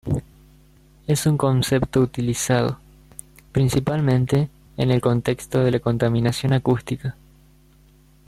Es un concepto utilizado, principalmente, en el contexto de la contaminación acústica.